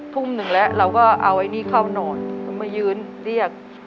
ทุ่มหนึ่งแล้วเราก็เอาไอ้นี่เข้านอนมายืนเรียก